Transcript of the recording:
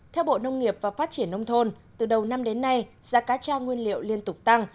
theo bộ nông nghiệp và phát triển nông thôn từ đầu năm đến nay giá cá tra nguyên liệu liên tục tăng